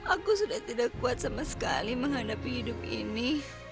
aku sudah tidak kuat sama sekali menghadapi hidup ini